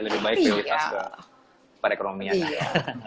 lebih baik lebih pas ke perekonomian